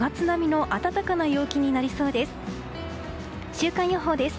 週間予報です。